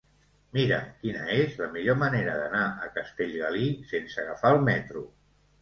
Mira'm quina és la millor manera d'anar a Castellgalí sense agafar el metro.